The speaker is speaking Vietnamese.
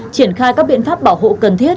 triển khai các biện pháp bảo hộ cần thiết